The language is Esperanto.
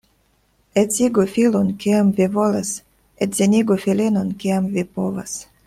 Edzigu filon, kiam vi volas — edzinigu filinon, kiam vi povas.